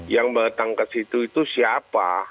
yang datang ke situ itu siapa